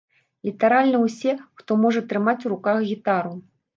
Літаральна ўсе, хто можа трымаць у руках гітару.